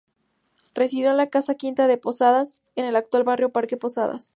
Residió en la "casa-quinta de Posadas", en el actual barrio Parque Posadas.